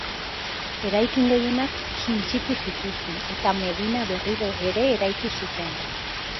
Eraikin gehienak suntsitu zituzten eta medina berriro ere eraiki zuten.